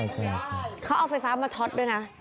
เขาเอาไฟฟ้ามาช็อตด้วยนะ